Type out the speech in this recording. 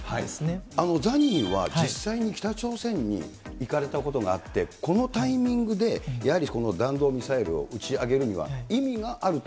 ザニーは実際に、北朝鮮に行かれたことがあって、このタイミングで、やはり弾道ミサイルを打ち上げるには意味があると？